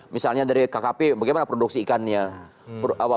misalnya dari kkp bagaimana produksi ikannya